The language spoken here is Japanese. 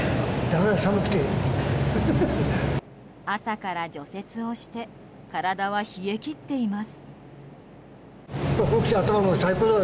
朝から除雪をして体は冷え切っています。